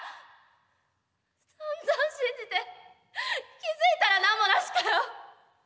さんざん信じて気付いたら何もなしかよ。